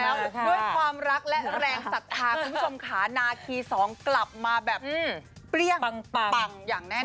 แล้วด้วยความรักและแรงศรัทธาคุณผู้ชมค่ะนาคีสองกลับมาแบบเปรี้ยงปังอย่างแน่นอ